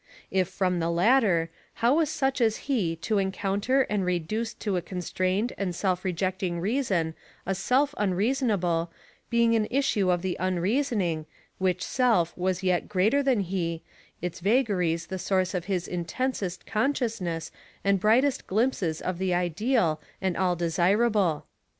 If from the latter, how was such as he to encounter and reduce to a constrained and self rejecting reason a Self unreasonable, being an issue of the Unreasoning, which Self was yet greater than he, its vagaries the source of his intensest consciousness and brightest glimpses of the ideal and all desirable.